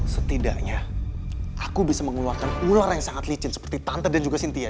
setidaknya aku bisa mengeluarkan ular yang sangat licin seperti tante dan juga cynthia